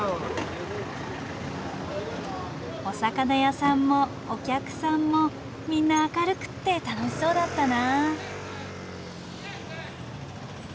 お魚屋さんもお客さんもみんな明るくって楽しそうだったな。